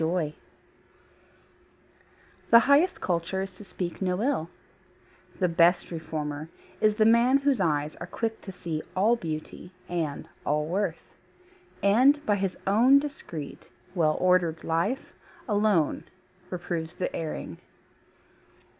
TRUE CULTURE The highest culture is to speak no ill, The best reformer is the man whose eyes Are quick to see all beauty and all worth; And by his own discreet, well ordered life, Alone reproves the erring.